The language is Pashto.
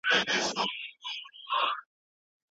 که تاسو ته داسي څوک راغلی.